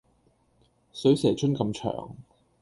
水蛇春咁長